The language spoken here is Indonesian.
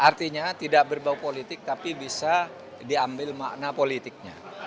artinya tidak berbau politik tapi bisa diambil makna politiknya